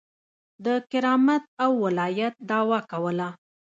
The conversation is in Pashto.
د کرامت او ولایت دعوه کوله.